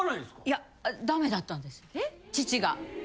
いやダメだったんです父が。